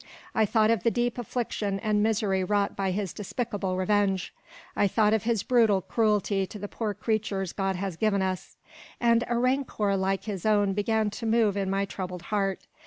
I thought of the deep affliction and misery wrought by his despicable revenge. I thought of his brutal cruelty to the poor creatures God has given us; and a rancour like his own began to move in my troubled heart.